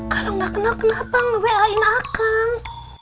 kalau nggak kenal kenapa nge wa in akang